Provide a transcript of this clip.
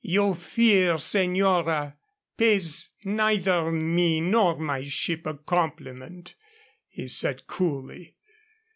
"Your fear, señora, pays neither me nor my ship a compliment," he said, coolly.